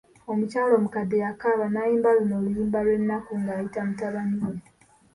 Omukyala omukadde yakaaba nayimba luno oluyimba lw'ennaku ng'ayita mutabani we.